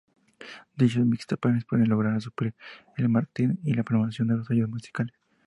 Dichos mixtapes pueden lograr suplir el marketing y la promoción de los sellos musicales.